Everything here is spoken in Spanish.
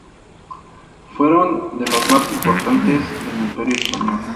Fueron de los más importantes del imperio español.